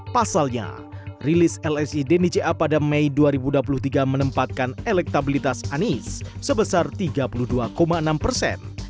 pasalnya rilis lsi denija pada mei dua ribu dua puluh tiga menempatkan elektabilitas anies sebesar tiga puluh dua enam persen